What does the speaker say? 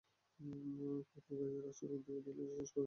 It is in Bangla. তুই ওর গাঁয়ে আচড় দিলে তোকে শেষ করে ফেলবো।